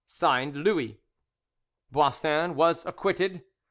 "(Signed) Louis" Boissin was acquitted.